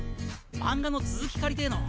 漫画の続き借りてェの。